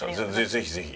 ぜひぜひ。